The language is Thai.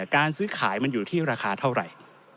การซื้อขายมันอยู่ที่ราคาเท่าไหร่